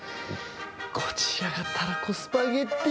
こちらがたらこスパゲティ。